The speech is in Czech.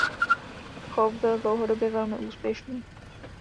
Chov byl dlouhodobě velmi úspěšný.